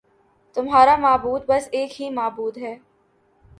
تمہارا معبود بس ایک ہی معبود ہے